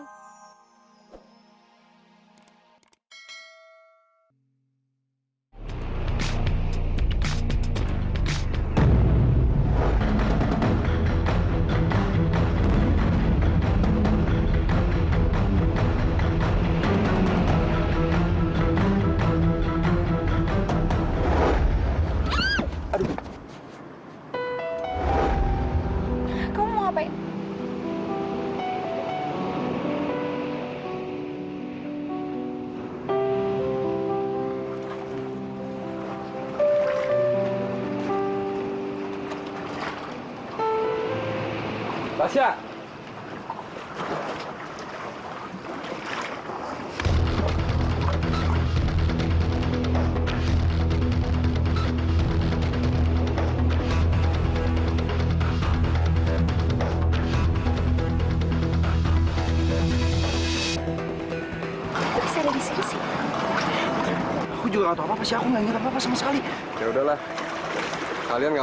bisa disini aku juga apa apa sih aku nggak ngerti apa apa sekali yaudahlah kalian nggak